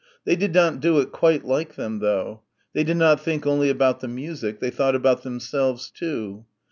They did not do it quite like them though. They did not think only about the music, they thought about themselves too.